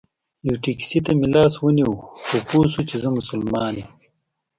یوه ټیکسي ته مې لاس ونیو خو پوی شو چې زه مسلمان یم.